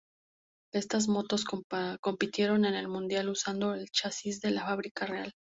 Estas motos compitieron en el Mundial usando el chasis de la fábrica "Real".